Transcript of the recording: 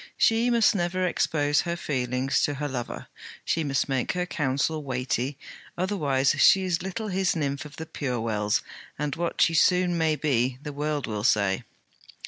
She must never expose her feelings to her lover; she must make her counsel weighty otherwise she is little his nymph of the pure wells, and what she soon may be, the world will say.